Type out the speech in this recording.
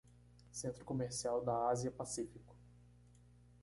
Centro comercial da Ásia-Pacífico